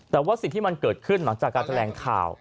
แต่ว่าสิ่งที่มันเกิดขึ้นหลังจากการแถลงข่าว